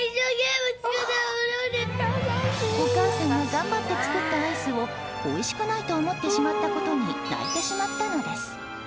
お母さんが頑張って作ったアイスをおいしくないと思ってしまったことに泣いてしまったのです。